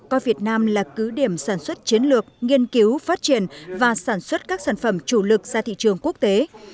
coi việt nam là cứ điểm sản xuất chiến lược nghiên cứu phát triển và sản xuất các sản phẩm chủ lực ra thị trường quốc tế